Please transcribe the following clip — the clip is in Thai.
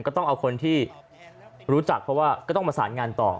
ก็ต้องเอาคนที่รู้จักเพราะว่าก็ต้องประสานงานต่อ